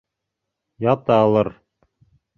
Яталыр.